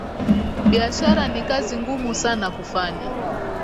Biashara ni kazi ngumu sana kufanya